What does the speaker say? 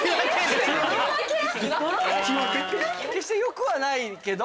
決して良くはないけど。